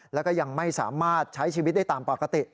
แล้วก็ยังไม่สามารถใช้ชีวิตได้ตามปกติ